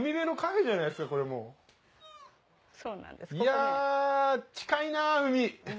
いやぁ近いな海。